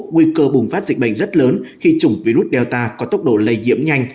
nguy cơ bùng phát dịch bệnh rất lớn khi chủng virus data có tốc độ lây nhiễm nhanh